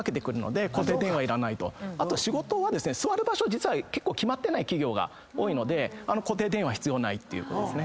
あと仕事は座る場所結構決まってない企業が多いので固定電話必要ないってことです。